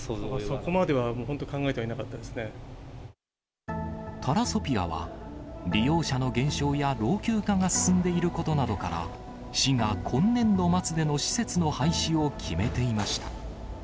そこまでは本当考えてなかっタラソピアは、利用者の減少や老朽化が進んでいることなどから、市が今年度末での施設の廃止を決めていました。